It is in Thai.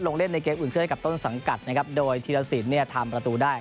ลงเล่นในเกมอุ่นเครื่องกับต้นสังกัดนะครับโดยธีรสินเนี่ยทำประตูได้